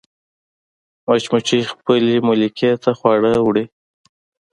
مچمچۍ خپل ملکې ته خواړه وړي